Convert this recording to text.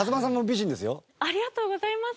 ありがとうございます。